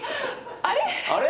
あれ？